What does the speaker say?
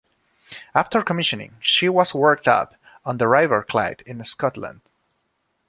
After commissioning she was worked up on the River Clyde in Scotland.